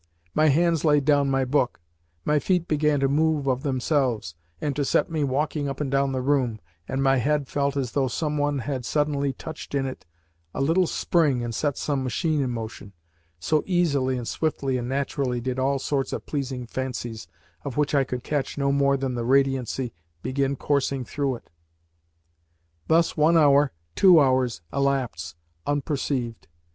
My hands laid down my book, my feet began to move of themselves, and to set me walking up and down the room, and my head felt as though some one had suddenly touched in it a little spring and set some machine in motion so easily and swiftly and naturally did all sorts of pleasing fancies of which I could catch no more than the radiancy begin coursing through it. Thus one hour, two hours, elapsed unperceived.